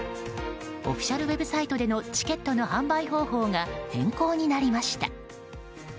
オフィシャルウェブサイトでのチケットの販売方法が変更になりました。